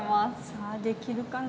さあできるかな？